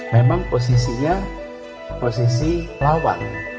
memang posisinya posisi lawan